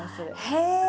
へえ！